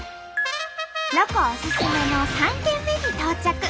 ロコおすすめの３軒目に到着。